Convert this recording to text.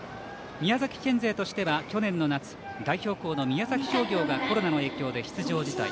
宮崎県勢としては去年の夏代表校の宮崎商業がコロナの影響で出場辞退。